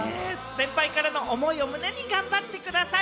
先輩からの思いを胸に頑張ってください。